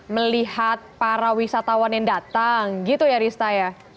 melihat para wisatawan yang datang gitu ya rista ya